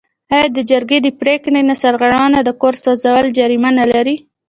آیا د جرګې د پریکړې نه سرغړونه د کور سوځول جریمه نلري؟